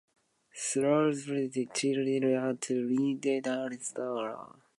Through play, children learn to interact with others, solve problems, and develop their creativity.